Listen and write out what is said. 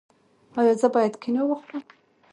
ایا زه باید کینو وخورم؟